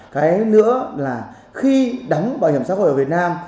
cái nữa là khi đóng bảo hiểm xã hội ở việt nam